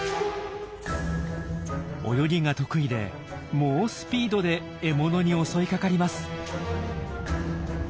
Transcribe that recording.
泳ぎが得意で猛スピードで獲物に襲いかかります。